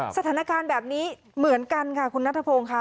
สถานการณ์แบบนี้เหมือนกันค่ะคุณนัทพงศ์ค่ะ